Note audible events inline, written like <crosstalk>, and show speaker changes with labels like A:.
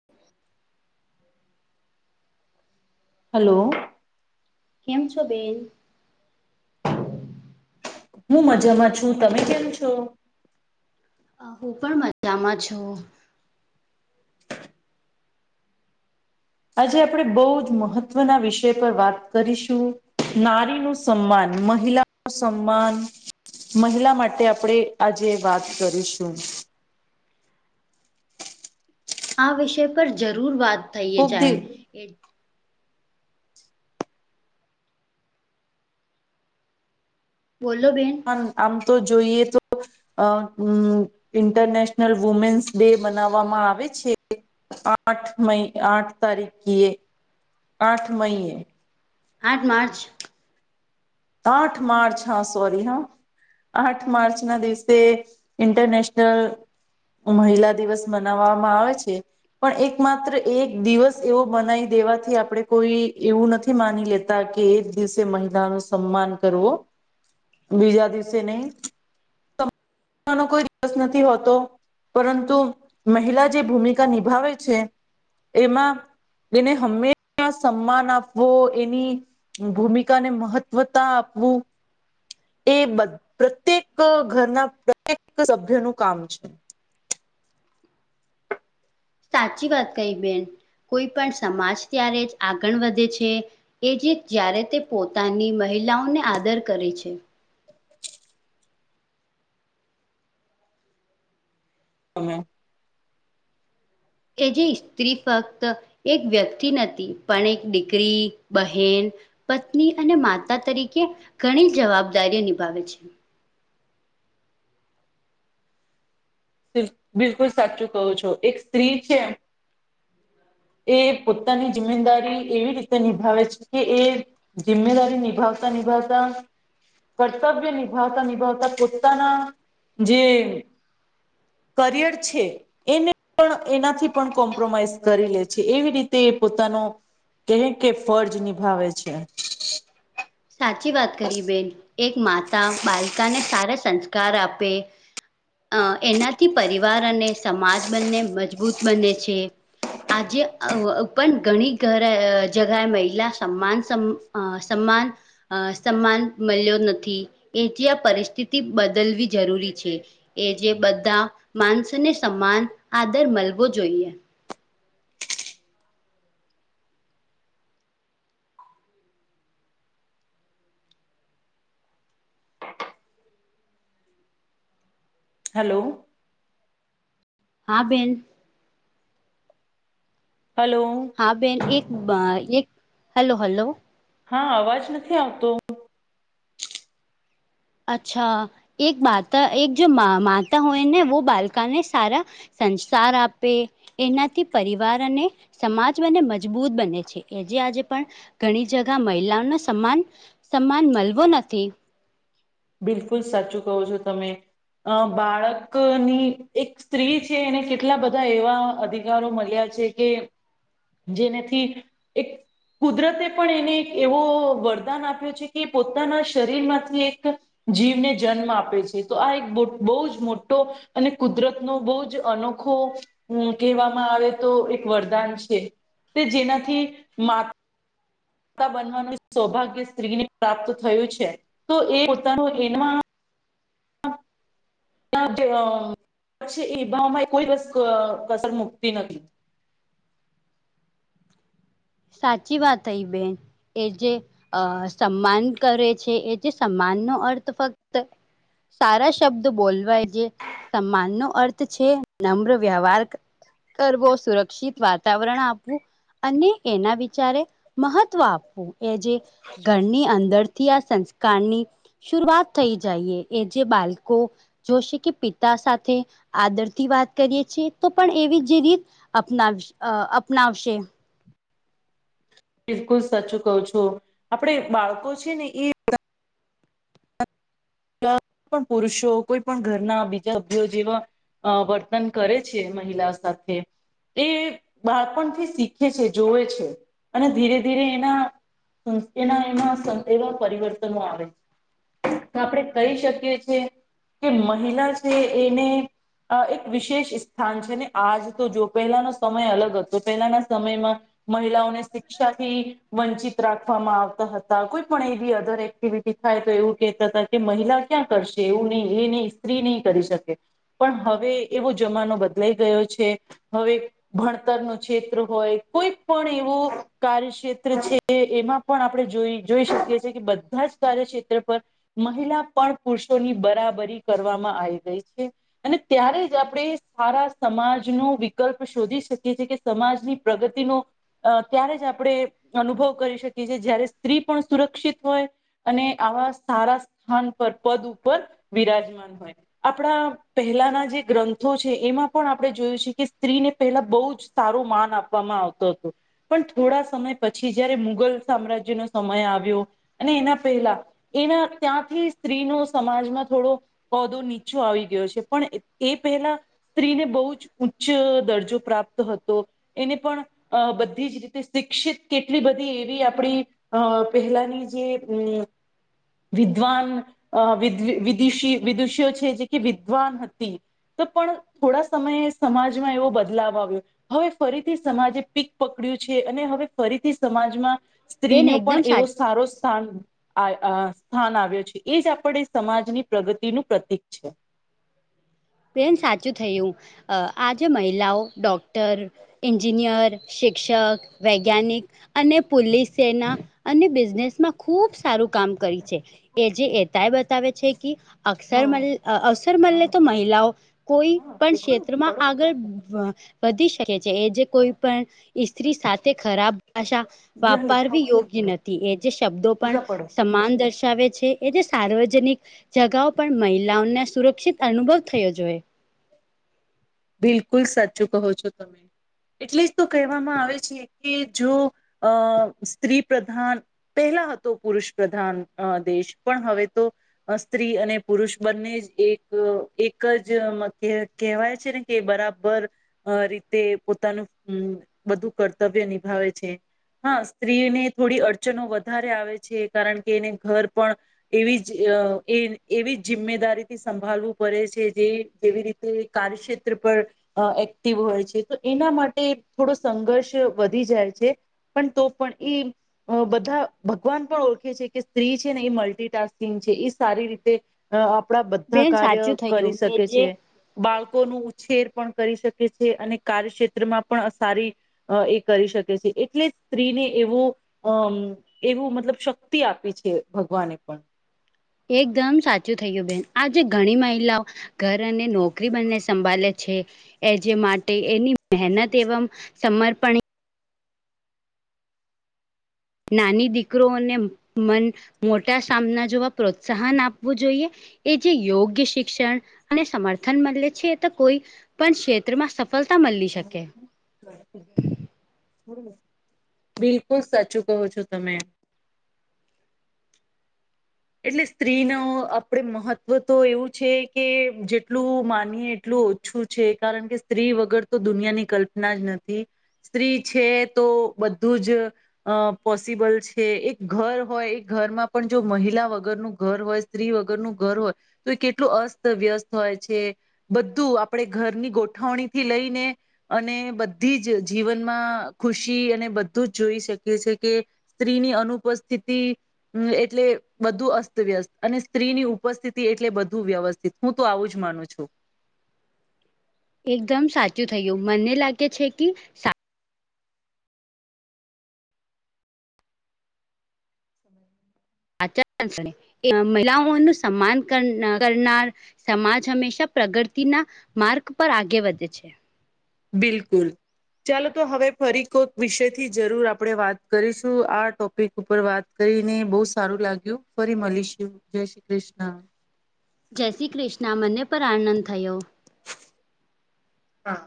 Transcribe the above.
A: <inaudible> Hello!
B: કેમ છો બેન?
A: મું મજામાં છું. તમે કેમ છો?
B: અ હું પણ મજામાં છું.
A: આજે આપણે બહુ જ મહત્વના વિષય પર વાત કરીશું. નારીનું સન્માન. મહિલાનું સન્માન. મહિલા માટે આપણે આજે વાત કરીશું.
B: આ વિષય પર જરૂર વાત થઈએ
A: કોક દી
B: જાય એ બોલો બેન.
A: પણ આમ તો જોઈએ તો. અ ઉ ઇન્ટરનેશનલ વુમેન્સ ડે બનાવવામાં આવે છે. આઠ મઈ આઠ તારીખ ક એ આઠ મઇએ.
B: આઠ માર્ચ.
A: આઠ માર્ચ હા સોરી હા. આઠ માર્ચ ના દિવસે ઇન્ટરનેશનલ મહિલા દિવસ મનાવવામાં આવે છે. પણ એક માત્ર એક દિવસ એવો બનાવઇ દેવાથી આપડે કોઈ એવું નથી માની લેત લેતા કે એક દિવસે મહિલા નુ સન્માન કરવો બીજા દિવસે નહી. ત <unintelligible> કોઈ દિવસ નથી હોતો. પરંતુ મહિલા જે ભૂમિકા નિભાવે છે. એમાં. એને હંમેશા સન્માન આપવો. એની ભૂમિકાને મહત્વ વતા આપવું. એ બ પ્રત્યેક ઘરના પ્રત્યેક સભ્ય નું કામ છે.
B: સાચી વાત કહિ બેન. કોઈ પણ સમાજ ત્યારે જ આગળ વધે છે. એ જે જ્યારે તે પોતાની મહિલાઓને આદર કરે છે.
A: તમે.
B: એ જી સ્ત્રી ફક્ત એક વ્યક્તિ નથી, પણ એક દીકરી બહેન, પત્ની અને માતા તરીકે ઘણી જવાબદારી નિભાવે છે.
A: બિલ બિલકુલ સાચું કહું છો. એક સ્ત્રી છે. એ પોતાની જિમેદારી એવી રીતે નિભાવે છે કે એ. જિમ્મેદારી નિભાવતા-નિભાવતા. કર્તવ્ય નિભાવતા-નિભાવતા પોતાના જે કરિયર છે. એને પણ એનાથી પણ કોમ્પ્રોમાઈઝ કરી લે છે. એવી રીતે પોતાનો કેવીક કે ફરજ નિભાવે છે.
B: સાચી વાત કરી બેન. એક માતા બાલકાને સારા સંસ્કાર આપે અ એનાથી પરિવાર અને સમાજ બંને મજબૂત બને છે. આજે અ વ પણ ઘણી ઘર જગ્યાએ મહિલા સમાન સમ અ સમાન. અ સમાન મલ્યો નથી. એ થી આ પરિસ્થિતિ બદલવી જરૂરી છે. એ જે બધા માનસને સમાન આદર મલવો જોઈએ.
A: હલો.
B: હા બેન.
A: હલો.
B: હા બેન એક બાય એક હલો હલો.
A: હા અવાજ નથી આવતો
B: અચ્છા એક બાતા એક જો મા માતા હોય ને વો બાલકાને સારા સંસ્કાર આપે એનાથી પરિવાર અને. સમાજ બને મજબૂત બને છે એ જે આજે પણ ઘણી જગા મહિલાઓનો સન્માન. સન્માન મલવો નથી.
A: બિલકુલ સાચું કહો છો તમે અ બાળકની એક. સ્ત્રી છે એને કેટલા બધા એવા અધિકારો મલ્યા છે કે. જેને થી એક. કુદરતે પણ એને એક એવો વરદાન આપ્યો છે કે પોતાના શરીર માંથી એક જીવ ને જન્મ આપે છે તો આ એક બ બહુ જ મોટો અને કુદરતનો બહુ જ અનો ખો કહેવામાં આવે તો એક વરદાન છે તે જેનાથી મા તા બનવાનું સૌભાગ્ય સ્ત્રીને પ્રાપ્ત થયું છે તો એ પોતાનું એનમાં. ના <unintelligible> જે પછી એ ભાવમાં કોઈ કસ કસર મુકતી નથી
B: સાચી વાત થઈ બેન. એ જે અ સમ્માન કરે છે, એ જે સમ્માનનો અર્થ ફક્ત સારા શબ્દ બોલવાય જે સમ્માનનો અર્થ છે, નમ્ર વ્યવહાર કર કરવો, સુરક્ષિત વાતાવરણ આપવું અને એના વિચારે મહત્વ આપવું. એ જે ઘરની અંદરથી આ સંસ્કારની શુરૂઆત થઈ જાઈએ. એ જે બાલકો જોશે કે પિતા સાથે આદરથી વાત કરીએ છીએ તો પણ એવી જ રીત અપનાવીશ અ અપનાવશે.
A: બિલકુલ સાચું કહું છું. આપડે બાળકો છે ને એ કો <unintelligible> પણ પુરુષો કોઈ પણ ઘરના બીજા સભ્યો જેવા અ વર્તન કરે છે મહિલા સાથે એ બાળપણથી શીખે છે, જોવે છે, અને ધીરે ધીરે એના હમ એના એમાં એવા પરિવર્તનો આવે. તો આપણે કહી શકીએ છીએ કે મહિલા છે એને આ એક વિશેષ સ્થાન છે ને આજ તો જો પહેલાનો સમય અલગ હતો. પહેલાના સમયમાં મહિલાઓને શિક્ષાથી વંચિત રાખવામાં આવતા હતા. કોઈ પણ એ બી અધર એક્ટિવિ ટી થાય તો એવું કહેતા તા કે મહિલા ક્યાં કરશે, એવું નહી એ નહી સ્ત્રી નહી કરી શકે. પણ હવે એવો જમાનો બદલાઈ ગયો છે. હવે ભણતરનો ક્ષેત્ર હોય, કોઈ પણ એવો કાર્યક્ષેત્ર છે. એ એમાં પણ આપણે જોઈ જોઈ શકીએ છીએ કે બધા જ કાર્યક્ષેત્ર પર મહિલા પણ પુરુષોની બરાબરી કરવામાં આવી ગઈ છે. અને ત્યારે જ આપણે સારા સમાજનો વિકલ્પ શોધી શકીએ છીએ કે સમાજની પ્રગતિનો અ ત્યારે જ આપણે અનુભવ કરી શકીએ છીએ જયારે સ્ત્રી પણ સુરક્ષિત હોય. અને આવા સારા સ્થાન પર, પદ ઉપર બિરાજમાન હોય. આપણા પહેલાના જે ગ્રંથો છે એમાં પણ આપણે જોયું છે કે સ્ત્રીને પહેલા બહુ જ સારું માન આપવામાં આવતું હતું. પણ થોડા સમય પછી જયારે મુઘલ સામ્રાજ્યનો સમય આવ્યો અને એના પહેલા એના ત્યાંથી સ્ત્રીનો સમાજમાં થોડો હોદો નીચો આવી ગયો છે, પણ એ પહેલા સ્ત્રીને બહુ જ ઉચ્ચ દરજો પ્રાપ્ત હતો. એને પણ અ બધી જ રીતે શિક્ષિત કેટલી બધી એવી આપડી અ પહેલાની જે અમ વિદ્વાન અ વિદિશી વિદુષીઓ છે જે કે વિદ્વાન હતી. તો પણ થોડા સમયે સમાજમાં એવો બદલાવ આવ્યો. હવે ફરીથી સમાજે પીક પકડ્યું છે અને હવે ફરીથી સમાજમાં
B: બેન
A: સ્ત્રીનો
B: એકદમ
A: પણ એવો
B: સાચી
A: સારો સ્થાન આય અ થાન આવ્યો છે. એ જ આપણે સમાજની પ્રગતિનું પ્રતિક છે.
B: બેન સાચું થયું. અ આજે મહિલાઓ ડોક્ટર એન્જિનિયર, શિક્ષક, વૈજ્ઞાનિક. અને પુલીસ સેના અને બિઝનેસમાં ખુબ સારું કામ કરી છે. એ જે એ તાય બતાવે છે કે અક્ષર મલ
A: હા
B: અ અવસર મલે
A: હા
B: તો મહી લાઓ કોઈ
A: હા
B: પણ
A: દેખો
B: ક્ષેત્રમાં
A: પઢો
B: આગળ
A: ક્યા
B: અ વધી શકે છે. એ જે કોઈ પણ ઈ સ્ત્રી સાથે ખરાબ ભાષા
A: હે યહ લિખા
B: વાપારવી
A: હુઆ હે તો
B: યોગ્ય
A: પઢો
B: નથી. એ જે શબ્દો પણ
A: પૂરા પઢો.
B: સમાન દર્શ શાવે છે એ જે સાર્વજનિક જગાઓ પણ મહિલાઓને સુરક્ષિત અનુભવ થયો જોએ.
A: બિલકુલ સાચું કહો છો તમે. એટલે જ તો કહેવામાં આવે છે કે જો અ સ્ત્રી પ્રધાન પહેલા હતો પુરુષ પ્રધાન અ દેશ પણ હવે તો અ સ્ત્રી અને પુરુષ બંને જ એક એકજ મધ્ય કહેવાય છેને. કે બરાબર અ રીતે પોતાનું હમ બધુ કર્તવ્ય નિભાવે છે. હા સ્ત્રીને થોડી અડચણો વધારે આવે છે કારણ કે એને ઘર પણ એવીજ અ એવી જિમ્મેદારી થી સંભળવું પડે છે જેવી રીત તે કાર્યક્ષેત શેત્ર પર અ એક્ટિવ હોય છે તો એના માટે થોડો સંઘર્ષ વધી જાય છે. પણ તો પણ ઇમ અ બધા ભગવાન પણ ઓળખે છે, ક, સ્ત્રી છેને એ મલ્ટિટાસ્કિંગ છે એ સારી રીતે અ આપણા બધા
B: બેન
A: કાર્ય
B: સાચું
A: કરી
B: થયું એ
A: શકે
B: જે
A: છે, બાળકોનું છેર પણ કરી શકે છે અને કાર્યક્ષેત્ર માં પણ સારી અ એ કરી શકે છે એટલે સ્ત્રીને એવો અમ એવું મતલબ શક્તિ આપી છે, ભગવાને પણ
B: એકદમ સાચું થયું બેન આજે ઘણી મહિલા ઓ ઘર અને નોકરી બંને સંભાલે છે. એ જે માટે એની મહેનત એવમ સમર્પણ નાની દીકરોને મન મોટા સામના જોવા પ્રોત્સાહન આપવું જોઈએ. એ જે યોગ્ય શિક્ષણ અને સમર્થન મલે છે એ તો કોઈ પણ ક્ષેત્રમાં સફલતા મલી શકે
A: હમ બિલકુલ સાચું કહો છો, તમે એટલે સ્ત્રી નો આપણે મહત્વ તો એવું છે, કે જેટલું માનીએ એટલું ઓ ઓછું છે કારણ કે સ્ત્રી વગર તો દુનિયાની કલ્પના જ નથી. સ્ત્રી છે, તો બધુંજ અ અ પોસિબલ છે, એક ઘર હોય એ ઘરમાં પણ જો મહિલા વગરનું ઘર હોય સ્ત્રી વગરનું ઘર હોય તો એ કેટલું અસ્તવ્યસ્ત હોય છે. બધું આપણે ઘરની ગોઠવણીથી લઈને અને બધી જ જીવનમાં ખુશી અને બધું જ જોઈ શકીએ છે, કે સ્ત્રીની અનુપસ્થિતિ એટલે બધું અસ્તવ્યસ્ત અને સ્ત્રીની ઉપસ્થિતિ એટલે બધું વ્યવસ્થિત હું તો આવું જ માનું છુ.
B: એકદમ સાચું થયું મને લાગે છે, કી સા આચર એ મહિલાઓ નું સન્માન કર કરનાર સમાજ હમેશા પ્રગતિ ના માર્ગ પર આગે વધે છે.
A: બિલકુલ ચાલો તો હવે ફરી કોક વિષયથી જરૂર આપણે વાત કરીશું આ ટોપિક ઉપર વાત કરીને બહુ સારું લાગ્યું ફરી મળીશું જય શ્રી કૃષ્ણ
B: જય શ્રી કૃષ્ણ મને પર આનંદ થયો.
A: હા